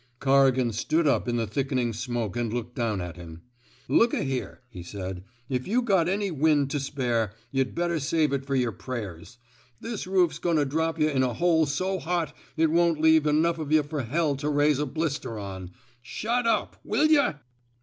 " Corrigan stood up in the thickening smoke and looked down at him. *' Look a here," he said. ^' If you got any wiad to spare, yuh 'd better save it fer yer prayers. This roof 's goin' to drop yuh in a hole so hot it won't leave enough of yuh fer hell to raise a blister on. Shut up, will yuh!